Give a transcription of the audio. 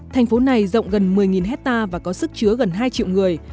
thành phố này rộng gần một mươi hectare và có sức chứa gần hai triệu người